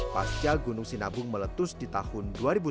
pasca gunung sinabung meletus di tahun dua ribu sepuluh